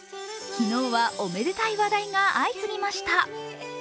昨日はおめでたい話題が相次ぎました。